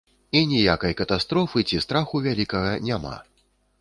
І ніякай катастрофы ці страху вялікага няма.